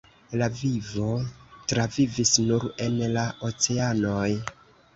La vivo travivis nur en la oceanoj.